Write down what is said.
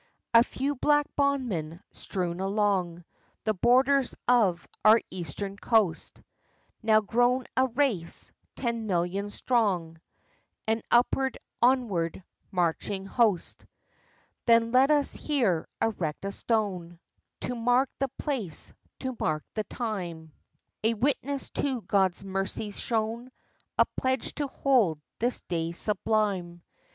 A few black bondmen strewn along The borders of our eastern coast, Now grown a race, ten million strong, An upward, onward marching host. Then let us here erect a stone, To mark the place, to mark the time; A witness to God's mercies shown, A pledge to hold this day sublime.